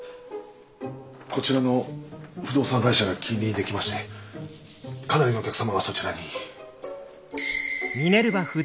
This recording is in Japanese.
こちらの不動産会社が近隣にできましてかなりのお客様がそちらに。